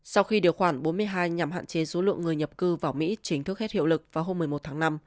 sau khi điều khoản bốn mươi hai nhằm hạn chế số lượng người nhập cư vào mỹ chính thức hết hiệu lực vào hôm một mươi một tháng năm